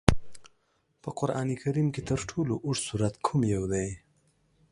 په قرآن کریم کې تر ټولو لوږد سورت کوم یو دی؟